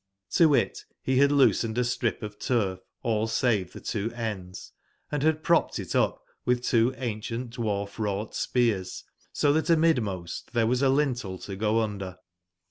XTo wit, he had loos ened astripof turf all savcthe two ends,&had prop ped it up with two ancient dwarf /wrought spears, 80 that amidmost there was a lintel to go under.